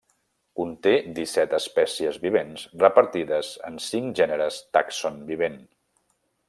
Conté disset espècies vivents repartides en cinc gèneres tàxon vivent.